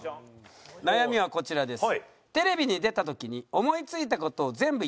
悩みはこちらです。